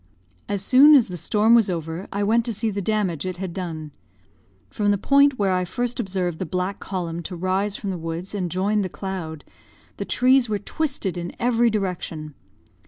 "As soon as the storm was over, I went to see the damage it had done. From the point where I first observed the black column to rise from the woods and join the cloud, the trees were twisted in every direction.